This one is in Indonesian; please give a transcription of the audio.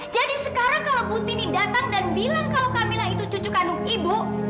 jadi sekarang kalau putini datang dan bilang kalau kamila itu cucu kandung ibu